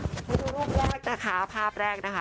ดูรูปแรกนะคะภาพแรกนะคะ